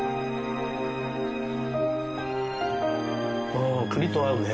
ああ栗と合うね。